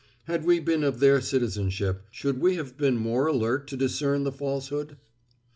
Had we been of their citizenship, should we have been more alert to discern the falsehood?